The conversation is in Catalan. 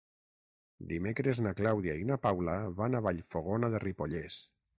Dimecres na Clàudia i na Paula van a Vallfogona de Ripollès.